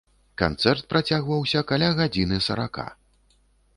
Канцэрт працягваўся каля гадзіны сарака.